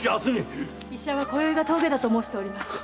〔医者は今宵が峠だと申しております〕